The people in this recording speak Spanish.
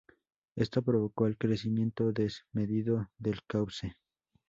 Esto provocó el crecimiento desmedido del cauce.